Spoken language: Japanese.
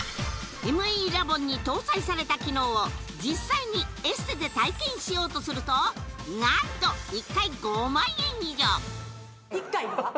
ＭＥラボンに搭載された機能を実際にエステで体験しようとすると何と１回５万円以上１回が？